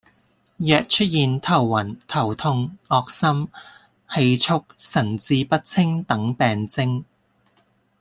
若出現頭暈、頭痛、噁心、氣促、神志不清等病徵